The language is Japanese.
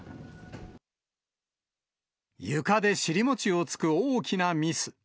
ゆかで尻餅をつく大きなミス。